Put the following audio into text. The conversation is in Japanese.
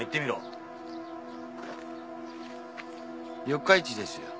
四日市ですよ。